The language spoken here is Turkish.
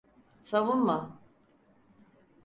Savunma…